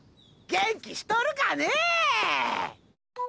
元気しとるかね？